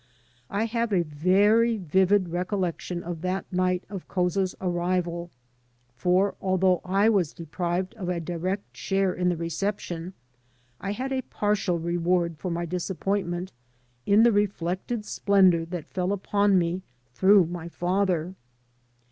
I have a very vivid recollection of that night of Couza's arrival, for, although I was deprived of a direct share in the recep tion, I had a partial reward for my disappointment in the reflected splendor that fell upon me through my father.